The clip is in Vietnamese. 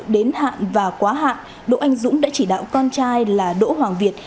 đến hạn và quá hạn đỗ anh dũng đã chỉ đạo con trai là đỗ hoàng việt